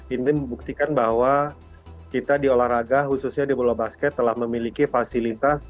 ini membuktikan bahwa kita di olahraga khususnya di bola basket telah memiliki fasilitas